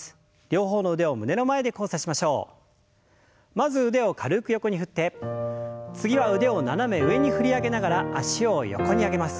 まず腕を軽く横に振って次は腕を斜め上に振り上げながら脚を横に上げます。